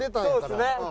そうですね。